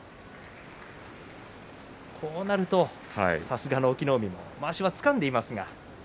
こうなると、さすがの隠岐の海もまわしをつかんでいますが。